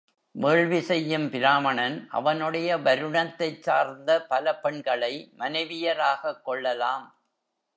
வேள்வி செய்யும் பிராமணன் அவனுடைய வருணத்தைச் சார்ந்த பல பெண்களை மனைவியராகக் கொள்ளலாம்.